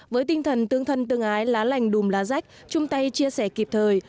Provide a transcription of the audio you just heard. với tinh thần tương thân tương ái lá lành đùm lá rách chung tay chia sẻ kịp thời